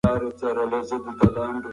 هغوی په مالي برخه کې ډېر ضعیف وو.